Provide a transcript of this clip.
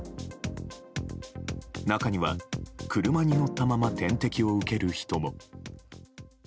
中には、車に乗ったまま点滴を受ける人も。